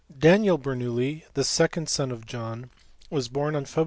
Daniel Bernoulli, the second son of John, was born on Feb.